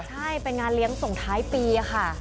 ใช่เป็นงานเลี้ยงส่งท้ายปีค่ะ